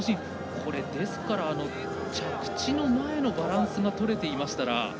これ、ですから着地の前のバランスがとれていましたら。